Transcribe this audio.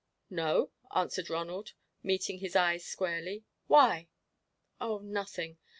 "No," answered Ronald, meeting his eyes squarely; "why?" "Oh nothing.